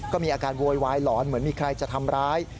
ก็มีอาการโวยวายหลอนเหมือนมีใครจะทำร้าย